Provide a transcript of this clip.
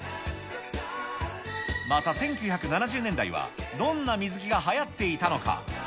また１９７０年代はどんな水着がはやっていたのか。